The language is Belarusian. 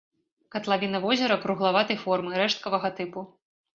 Катлавіна возера круглаватай формы, рэшткавага тыпу.